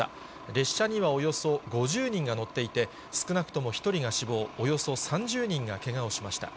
列車にはおよそ５０人が乗っていて、少なくとも１人が死亡、およそ３０人がけがをしました。